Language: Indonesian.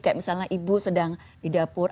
kayak misalnya ibu sedang di dapur